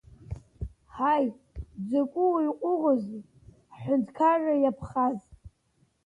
Ҳаи, дзаку уаҩ ҟуӷазеи ҳҳәынҭқарра иаԥхаз!